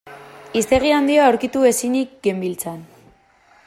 Hiztegi handia aurkitu ezinik genbiltzan.